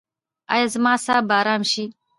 ایا زما اعصاب به ارام شي؟